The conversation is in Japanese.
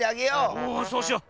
おおそうしよう。